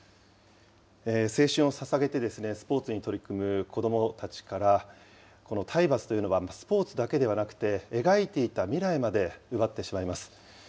青春をささげてスポーツに取り組む子どもたちから、この体罰というのはスポーツだけではなくて、描いていた未来まで奪ってしまいます。